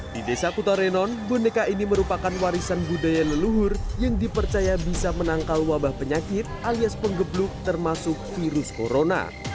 di desa kutarenon boneka ini merupakan warisan budaya leluhur yang dipercaya bisa menangkal wabah penyakit alias penggebluk termasuk virus corona